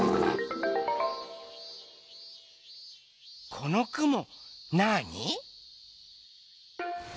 このくもなあに？